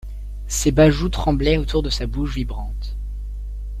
Ses bajoues tremblaient autour de sa bouche vibrante.